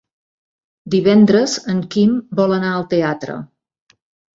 Divendres en Quim vol anar al teatre.